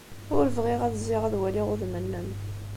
Ur bɣiɣ ad zziɣ ad waliɣ udem-nnem.